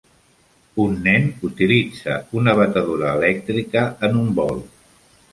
Un nen utilitza una batedora elèctrica en un bol.